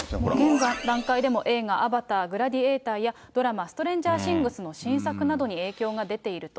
現段階でも映画、アバター、グラディエーターやドラマ、ストレンジャー・シングスの新作などに影響が出ていると。